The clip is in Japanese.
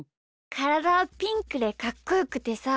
からだはピンクでかっこよくてさ。